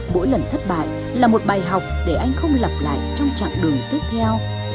mỗi lần thất bại là một bài học để anh không lặp lại trong chặng đường tiếp theo